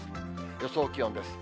予想気温です。